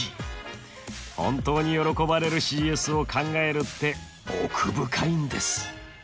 本当に喜ばれるＣＳを考えるって奥深いんです。